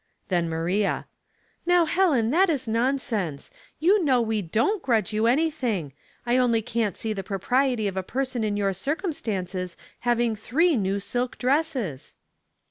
Then Maria. "Now, Helen, that is nonsense. You know we dont grudge you anything. I only can't see the propriety of a person in your circumstances having three new silk dresses."